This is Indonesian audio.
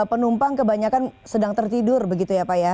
penumpang kebanyakan sedang tertidur begitu ya pak ya